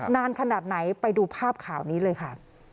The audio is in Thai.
นานขนาดไหนไปดูภาพข่าวนี้เลยค่ะ